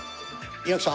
「猪木さん